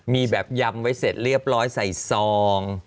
มีแบบยำไว้เสร็จเรียบร้อยใส่ซอง